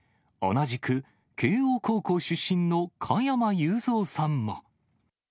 同じく、慶応高校出身の加山雄三さんも。